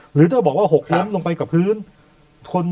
หรือถ้าบอกว่าหกล้มลงไปกับพื้น